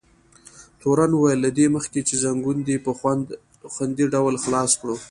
تورن وویل: له دې مخکې چې ځنګون دې په خوندي ډول خلاص کړو.